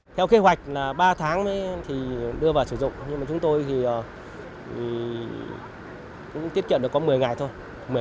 theo kế hoạch là ba tháng thì đưa vào sử dụng nhưng mà chúng tôi thì cũng tiết kiệm được có một mươi ngày thôi